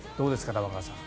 玉川さん。